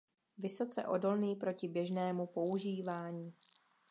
Vysoce odolný proti běžnému používání.